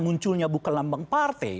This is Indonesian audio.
munculnya bukan lambang partai